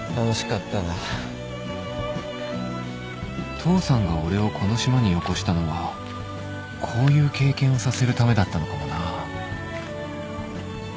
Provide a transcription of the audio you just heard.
父さんが俺をこの島によこしたのはこういう経験をさせるためだったのかもな